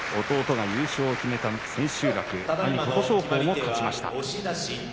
弟が優勝を決めた千秋楽琴勝峰も勝ちました。